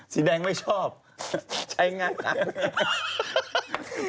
สีแดงไม่ชอบใช้งานอ่ะ